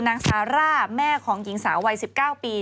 ซาร่าแม่ของหญิงสาววัย๑๙ปี